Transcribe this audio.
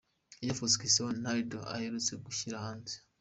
Air Force Cristiano Ronaldo aherutse gushyira hanze.